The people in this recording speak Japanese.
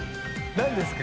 何ですか？